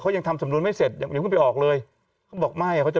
เขายังทำสำรวจไม่เสร็จอย่าพูดไปออกเลยเขาบอกไม่เขาจะ